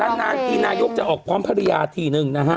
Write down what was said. นานทีนายกจะออกพร้อมภรรยาทีนึงนะฮะ